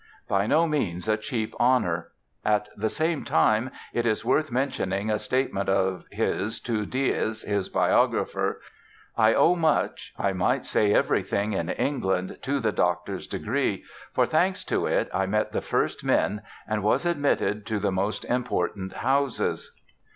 By no means a cheap honor! At the same time it is worth while mentioning a statement of his to Dies, his biographer: "I owe much, I might say everything in England to the Doctor's degree; for thanks to it I met the first men and was admitted to the most important houses."